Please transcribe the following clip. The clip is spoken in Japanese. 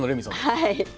はい。